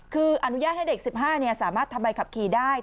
คืออนุญาตให้เด็ก๑๕สามารถทำใบขับขี่ได้